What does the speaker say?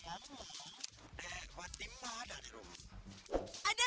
pusing kamu mau dari tadi